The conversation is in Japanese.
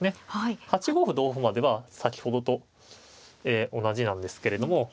８五歩同歩までは先ほどと同じなんですけれども。